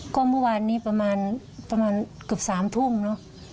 ก็เมื่อวานนี้ประมาณเกือบ๓ทุ่มเนอะ